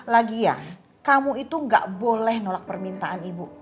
lagi ya kamu itu gak boleh nolak permintaan ibu